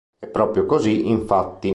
È proprio così, infatti.